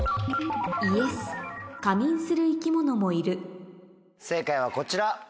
夏眠する生き物もいる正解はこちら。